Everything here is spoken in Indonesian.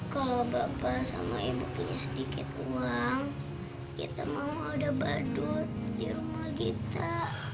kalau bapak sama ibu punya sedikit uang kita mau ada badut di rumah kita